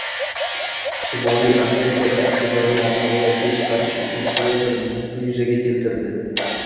Shimoliy Amerikada iqtidorlarni ro‘yobga chiqarish uchun qulay bir muhitni yuzaga keltirdi.